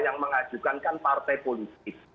yang mengajukan kan partai politik